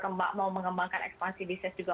mbak mau mengembangkan ekspansi bisnis juga